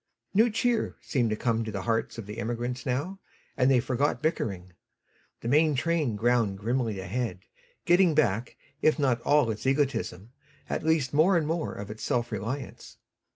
New cheer seemed to come to the hearts of the emigrants now, and they forgot bickering. The main train ground grimly ahead, getting back, if not all its egotism, at least more and more of its self reliance.